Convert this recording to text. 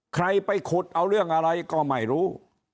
ใครไปขุดเอาเรื่องอะไรก็ไม่รู้